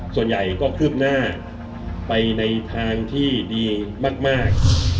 ส่วนใหญ่ก็คืบหน้าไปในทางที่ดีมาก